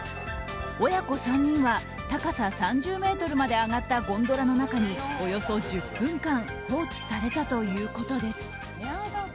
親子３人は、高さ３０ｍまで上がったゴンドラの中におよそ１０分間放置されたということです。